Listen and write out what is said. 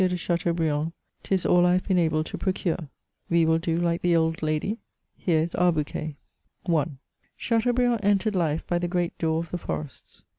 de Chateaubriand; 'tis all I have been able to procure." We will do like the old lady. Here is our bouquet* I. Chateaubriand entered life by the great door of the forests.